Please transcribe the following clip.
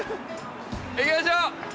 行きましょう！